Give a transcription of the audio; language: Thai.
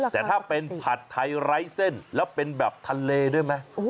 แต่ถ้าเป็นผัดไทยไร้เส้นแล้วเป็นแบบทะเลด้วยไหม